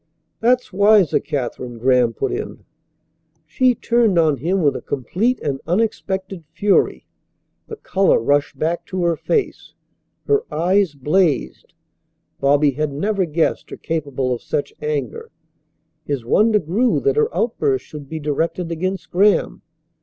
"That's wiser, Katherine," Graham put in. She turned on him with a complete and unexpected fury. The colour rushed back to her face. Her eyes blazed. Bobby had never guessed her capable of such anger. His wonder grew that her outburst should be directed against Graham.